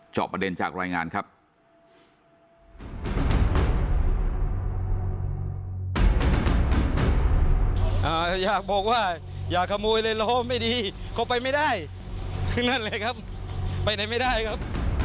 จอบประเด็นจากรายงานครับ